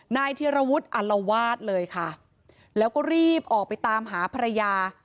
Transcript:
เทียรวุฒิอัลวาดเลยค่ะแล้วก็รีบออกไปตามหาภรรยา